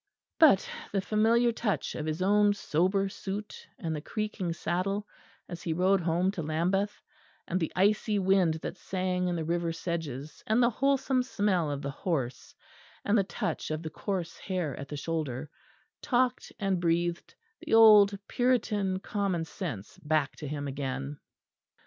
But the familiar touch of his own sober suit and the creaking saddle as he rode home to Lambeth, and the icy wind that sang in the river sedges, and the wholesome smell of the horse and the touch of the coarse hair at the shoulder, talked and breathed the old Puritan common sense back to him again.